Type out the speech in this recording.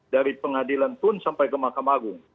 dari pengadilan pun sampai ke mahkamah agung